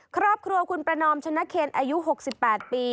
ครอบครัวคุณประนอมชนะเคนอายุ๖๘ปี